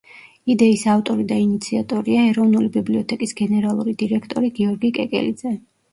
იდეის ავტორი და ინიციატორია ეროვნული ბიბლიოთეკის გენერალური დირექტორი გიორგი კეკელიძე.